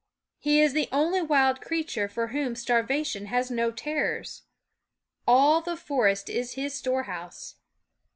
He is the only wild creature for whom starvation has no terrors. All the forest is his storehouse.